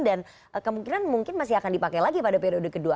dan kemungkinan mungkin masih akan dipakai lagi pada periode kedua